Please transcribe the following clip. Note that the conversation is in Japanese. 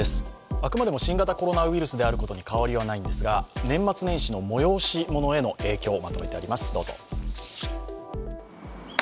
あくまでも新型コロナウイルスであることに変わりはないんですが年末年始の催しものへの影響をまとめてあります。